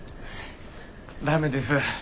駄目です。